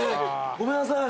ごめんなさい。